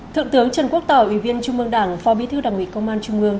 thượng tướng trần quốc tàu ủy viên trung ương đảng phó bí thư đảng ủy công an trung ương